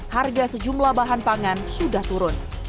harga sejumlah bahan pangan sudah turun